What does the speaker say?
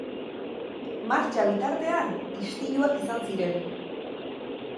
Martxa bitartean, istiluak izan ziren.